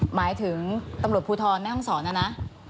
หมายถึงตำรวจภูทรแม่ห้องศรนะนะ